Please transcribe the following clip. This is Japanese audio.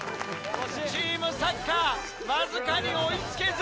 ・チームサッカーわずかに追い付けず。